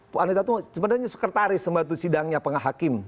panitera itu sebenarnya sekretaris sebuah sidangnya penghakim